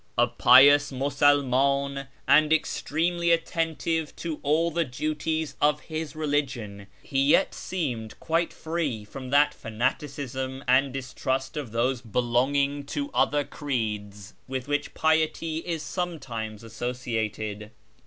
266 // YEAR AMONGST THE PERSIANS A pious Musulnuin, and extremely attentive to all the duties of his relij^ion, he yet seemed quite free from that fanaticism and distrust of those belonging to other creeds with wliicli piety is sometimes associated.